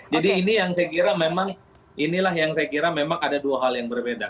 jadi ini yang saya kira memang ada dua hal yang berbeda